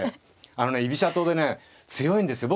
あのね居飛車党でね強いんですよ。